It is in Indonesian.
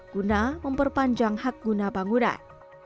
guna memperpanjang hak guna bangunan